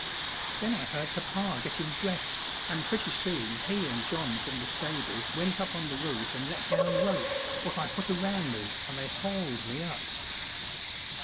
Then I heard papa gettin' dressed, and pretty soon he and John from the stable went up on the roof and let down ropes what I put around me and they hauled me up.